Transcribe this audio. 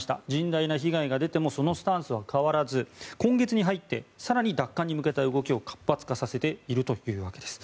甚大な被害が出てもそのスタンスは変わらず今月に入って更に奪還に向けた動きを活発化させているというわけです。